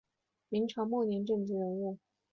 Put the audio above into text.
明朝末年政治人物。